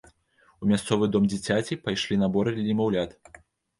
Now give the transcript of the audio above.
У мясцовы дом дзіцяці пайшлі наборы для немаўлят.